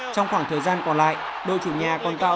trong khoảng thời gian còn lại đôi chủ nhà còn tự nhiên